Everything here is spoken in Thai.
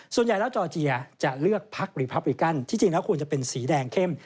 ส่วนใหญ่แล้วจอร์เจียจะเลือกพักรีพับริกันที่จริงแล้วควรจะเป็นสีแดงเข้ม